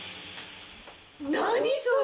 何それ！